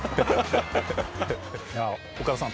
岡田さん